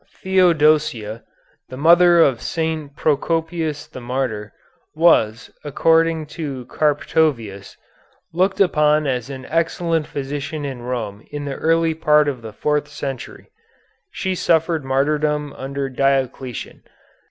Theodosia, the mother of St. Procopius the martyr, was, according to Carptzovius, looked upon as an excellent physician in Rome in the early part of the fourth century. She suffered martyrdom under Diocletian.